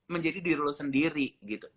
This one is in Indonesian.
menjadi diri lo sendiri gitu